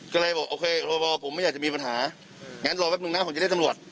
ก็เลยบอกโอเครอผมไม่อยากจะมีปัญหางั้นรอแป๊บนึงนะผมจะได้ตำรวจ